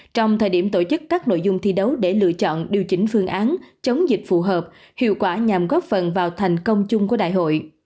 trong thời điểm tổ chức các nội dung thi đấu để lựa chọn điều chỉnh phương án chống dịch phù hợp hiệu quả nhằm góp phần vào thành công chung của đại hội